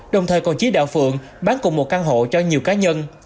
đồng thời còn chí đạo phượng bán cùng một căn hộ cho nhiều cá nhân